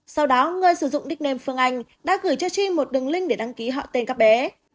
sau đó người sử dụng nickname phương anh đã gửi cho chi một đường link để đăng ký họ tên các bé